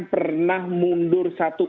pernah mundur satu